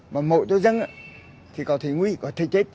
mà mổ cho dân thì có thể nguy có thể chết